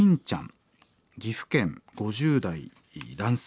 岐阜県５０代男性の方。